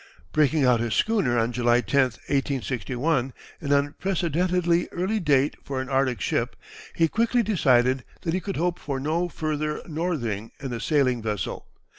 Breaking out his schooner on July 10, 1861, an unprecedentedly early date for an Arctic ship, he quickly decided that he could hope for no further northing in a sailing vessel.